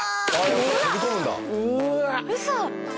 ウソ！？